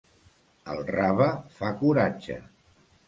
El rave fa coratge.